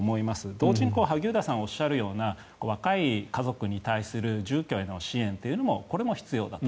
同時に萩生田さんがおっしゃるような若い家族に対する住居への支援もこれも必要だと。